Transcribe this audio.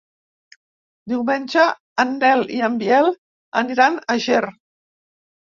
Diumenge en Nel i en Biel aniran a Ger.